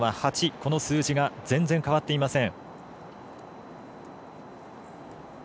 この数字が全然変わっていません。